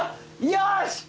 よし！